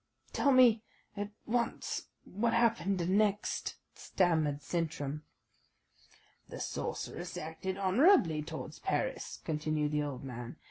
"Tell me at once what happened next," stammered Sintram. "The sorceress acted honourably towards Paris," continued the old man.